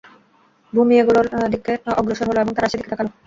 ভূমি এগুলোর দিকে অগ্রসর হল এবং তারা সে দিকে তাকাল।